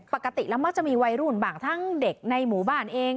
ปกติแล้วมักจะมีวัยรุ่นบ้างทั้งเด็กในหมู่บ้านเอง